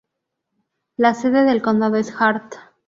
La sede del condado es Hart.